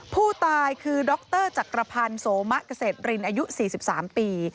ผู้ตายคือดรจักรพันธ์โสมะเกษตรรินอายุ๔๓ปี